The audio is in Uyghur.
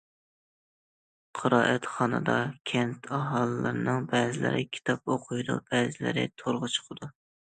قىرائەتخانىدا كەنت ئاھالىلىرىنىڭ بەزىلىرى كىتاب ئوقۇيدۇ، بەزىلىرى تورغا چىقىدۇ.